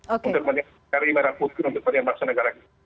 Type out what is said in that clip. untuk mencari merah putri untuk mencari bangsa negara